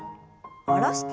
下ろして。